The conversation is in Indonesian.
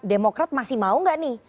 demokraat masih mau gak nih